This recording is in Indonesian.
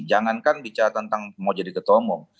jangankan bicara tentang mau jadi ketua umum